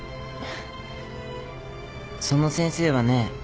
その先生はね